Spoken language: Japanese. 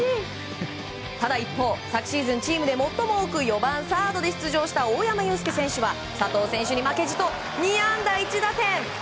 ただ、一方昨シーズンチームで最も多く４番サードで出場した大山悠輔選手は佐藤選手に負けじと２安打１打点。